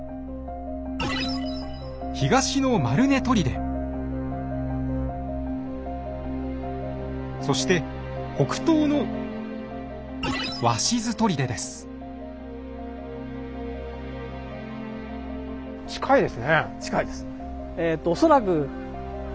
東のそして北東の近いです。